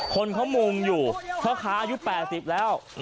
คนเขามุ่งอยู่เพราะขายุด๘๐แล้ว